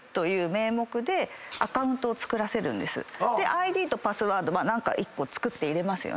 ＩＤとパスワード何か１個作って入れますよね。